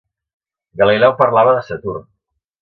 Galileu parlava de Saturn.